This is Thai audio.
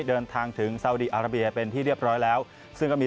เดินทางถึงวิดีโปรดเป็นที่เรียบร้อยแล้วซึ่งก็มี